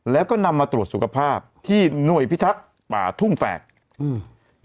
แล้วก็นำมาตรวจสุขภาพที่หน่วยพิทักษ์ป่าทุ่งแฝกอืม